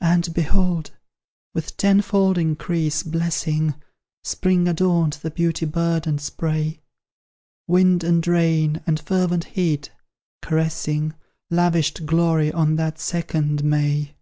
And, behold! with tenfold increase blessing, Spring adorned the beauty burdened spray; Wind and rain and fervent heat, caressing, Lavished glory on that second May!